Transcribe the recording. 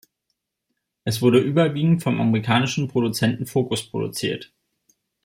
Es wurde überwiegend vom amerikanischen Produzenten Focus produziert.